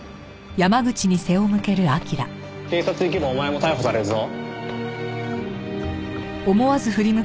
警察行けばお前も逮捕されるぞ。